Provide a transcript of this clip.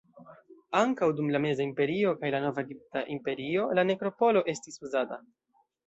Ankaŭ dum la Meza Imperio kaj la Nova Egipta Imperio la nekropolo estis uzata.